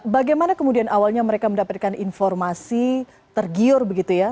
bagaimana kemudian awalnya mereka mendapatkan informasi tergiur begitu ya